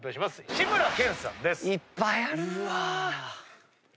いっぱいあるな！